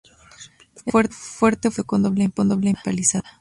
Este fuerte fue construido con doble empalizada.